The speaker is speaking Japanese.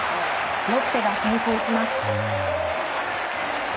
ロッテが先制します。